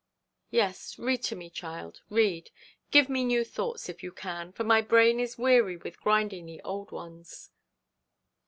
Yes, read to me, child, read. Give me new thoughts, if you can, for my brain is weary with grinding the old ones.